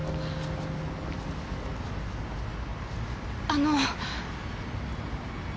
あの。